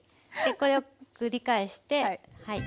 これを繰り返してはい。